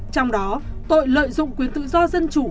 trong đó tội lợi dụng quyền tự do dân chủ